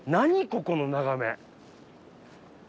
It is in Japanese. ここの眺め。